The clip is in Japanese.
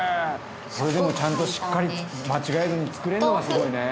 「それでもちゃんとしっかり間違えずに作れるのがすごいね。